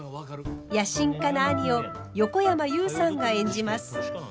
野心家な兄を横山裕さんが演じます。